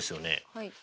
はい。